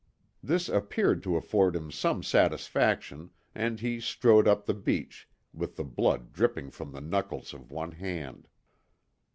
This appeared to afford him some satisfaction, and he strode up the beach, with the blood dripping from the knuckles of one hand.